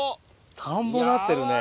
田んぼになってるね。